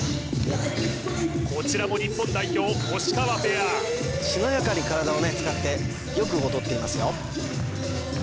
こちらも日本代表押川ペアしなやかに体を使ってよく踊っていますよ